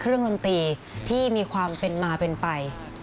ดนตรีที่มีความเป็นมาเป็นไป